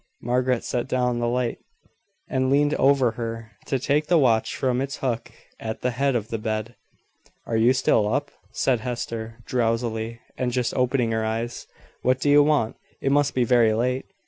Margaret set down the light, and leaned over her, to take the watch from its hook at the head of the bed. "Are you still up?" said Hester, drowsily, and just opening her eyes. "What do you want? It must be very late."